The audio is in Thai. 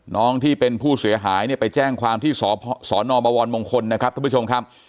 น้องที่เป็นผู้เสียหายเนี่ยไปแจ้งความที่สอนอบวรมงคลนะครับท่านผู้ชมครับ